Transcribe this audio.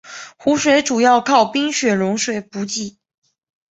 湖水主要靠冰雪融水补给。